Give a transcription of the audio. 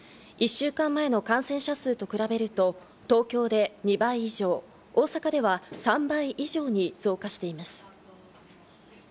１週間前の感染者数と比べると、東京で２倍以上、大阪では３倍以上に増加しています。